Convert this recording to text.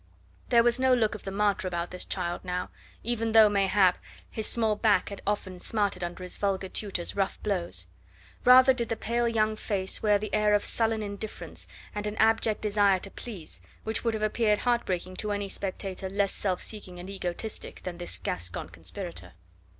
There was no look of the martyr about this child now, even though, mayhap, his small back had often smarted under his vulgar tutor's rough blows; rather did the pale young face wear the air of sullen indifference, and an abject desire to please, which would have appeared heart breaking to any spectator less self seeking and egotistic than was this Gascon conspirator.